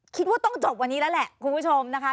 คิดว่าต้องจบวันนี้แล้วแหละคุณผู้ชมนะคะ